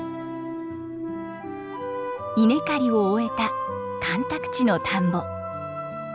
稲刈りを終えた干拓地の田んぼ。